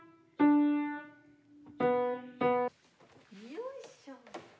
よいしょ。